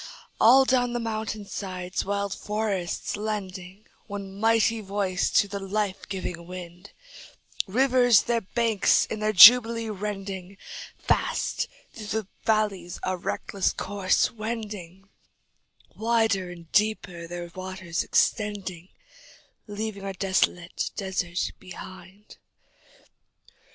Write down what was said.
All down the mountain sides wild forests lending One mighty voice to the life giving wind, Rivers their banks in their jubilee rending, Fast through the valleys a reckless course wending, Wider and deeper their waters extending, Leaving a desolate desert behind.